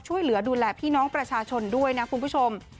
ช่วยเหลือดูแลพี่น้องประชาชนด้วยนะคุณผู้ชม